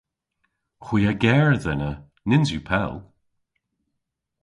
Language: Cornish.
Hwi a gerdh ena. Nyns yw pell.